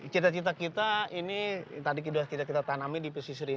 cita cita kita ini tadi sudah tidak kita tanami di pesisir ini